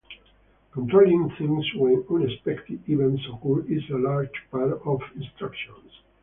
Controlling things when unexpected events occur is a large part of instructions.